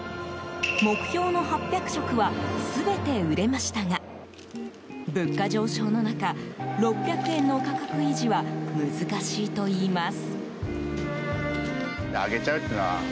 目標の８００食は全て売れましたが、物価上昇の中６００円の価格維持は難しいといいます。